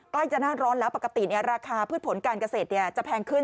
ใกล้จะหน้าร้อนแล้วปกติราคาพืชผลการเกษตรจะแพงขึ้น